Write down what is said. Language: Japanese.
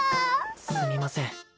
すみません